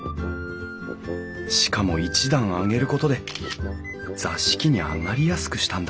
しかも一段上げることで座敷に上がりやすくしたんだ